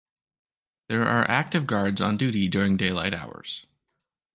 There are active guards on duty during daylight hours.